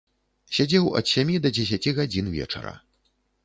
Сядзеў ад сямі да дзесяці гадзін вечара.